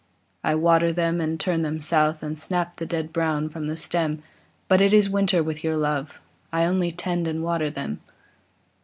I water them and turn them south, I snap the dead brown from the stem; But it is winter with your love, I only tend and water them.